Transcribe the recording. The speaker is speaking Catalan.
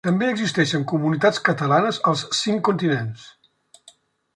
També existeixen comunitats catalanes als cinc continents.